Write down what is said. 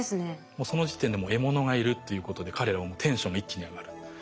もうその時点でもう獲物がいるっていうことで彼らはもうテンションが一気に上がる。